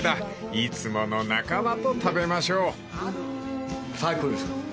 ［いつもの仲間と食べましょう］